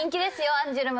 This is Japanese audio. アンジュルム。